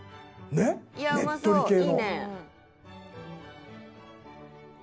ねっとり系の。